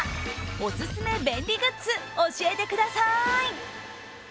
オススメ便利グッズ、教えてください。